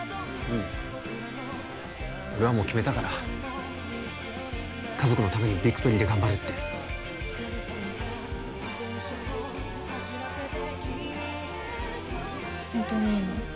うん俺はもう決めたから家族のためにビクトリーで頑張るってホントにいいの？